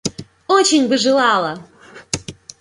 Очень бы желала!